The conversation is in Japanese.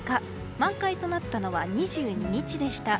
満開となったのは２２日でした。